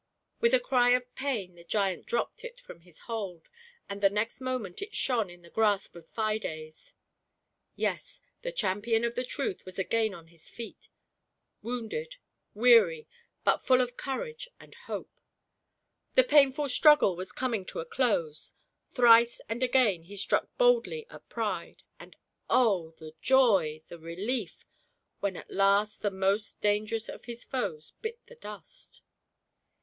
With a cry of pain the giant dropped it from his hold, and the next moment it shone in the grasp of Fides. Yes, the champion of the Truth was again on his feet, wounded, weary, but full of courage and hope. The painful struggle was coming to a close; thrice and again he struck boldly at Pride, and oh, the joy, the relief when at last the most dangerous of his foes bit the dust